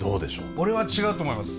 俺は違うと思います。